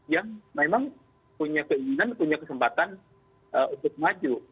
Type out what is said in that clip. yang memang punya keinginan punya kesempatan untuk maju